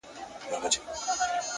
هوښیار انسان له هرې تجربې ګټه اخلي!.